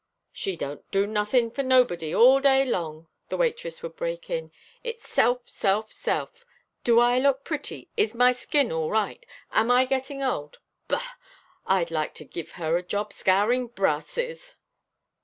"She don't do nothing for nobody all day long," the waitress would break in. "It's self, self, self do I look pretty is my skin all right am I getting old bah! I'd like to give her a job scouring brasses."